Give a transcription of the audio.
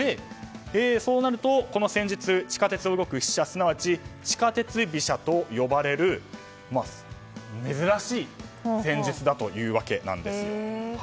そうなると、この戦術地下鉄を動く飛車すなわち、地下鉄飛車と呼ばれる珍しい戦術だというわけです。